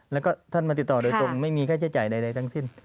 แล้วก็ท่านมาติดต่อโดยตรงไม่มีค่าใช้จ่ายใดทั้งสิ้น